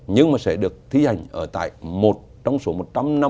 nhưng mà sẽ được thi hành ở tại một trong số